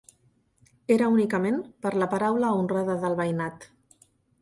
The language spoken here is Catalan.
Era únicament per la paraula honrada del veïnat.